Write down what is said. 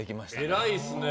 偉いですね。